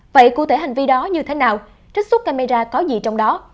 vậy cụ thể hành vi đó như thế nào trích xuất camera có gì trong đó